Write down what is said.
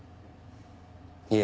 いえ。